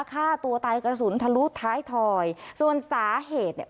ฆ่าตัวตายกระสุนทะลุท้ายถอยส่วนสาเหตุเนี่ย